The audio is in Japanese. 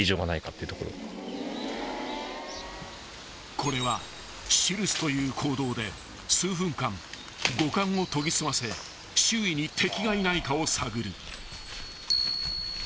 ［これはシルスという行動で数分間五感を研ぎ澄ませ周囲に敵がいないかを探る］